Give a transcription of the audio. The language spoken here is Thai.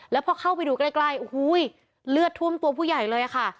แล้วพอเข้าไปดูใกล้โอ้โหเลือดท่วมตัวผู้ใหญ่เลยค่ะ